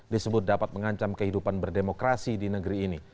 disebut dapat mengancam kehidupan berdemokrasi di negeri ini